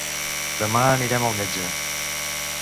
Demà anirem al metge.